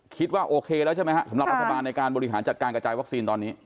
คิดว่าโอเคแล้วใช่ไหมครับสำหรับรัฐบาลในการบริหารจัดการกระจายวัคซีนตอนนี้